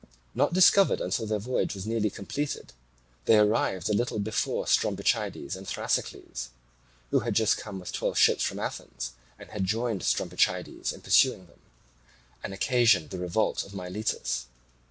Not discovered until their voyage was nearly completed, they arrived a little before Strombichides and Thrasycles (who had just come with twelve ships from Athens, and had joined Strombichides in pursuing them), and occasioned the revolt of Miletus.